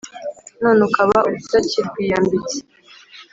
none ukaba utakirwiyambitse